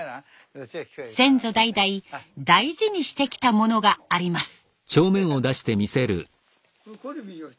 先祖代々大事にしてきたものがあります。